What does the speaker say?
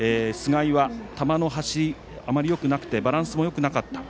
菅井は、球の走りがあまりよくなくてバランスもよくなかった。